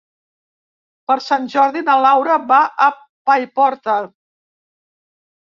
Per Sant Jordi na Laura va a Paiporta.